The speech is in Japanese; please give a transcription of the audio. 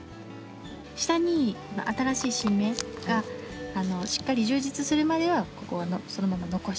下に新しい新芽がしっかり充実するまではここはそのまま残して。